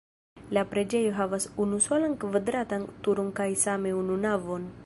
La preĝejo havas unusolan kvadratan turon kaj same unu navon.